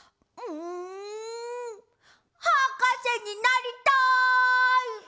うんはかせになりたい！